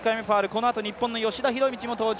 このあと日本の吉田も登場。